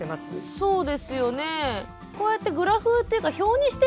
そうですね。